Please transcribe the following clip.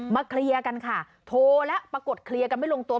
เคลียร์กันค่ะโทรแล้วปรากฏเคลียร์กันไม่ลงตัว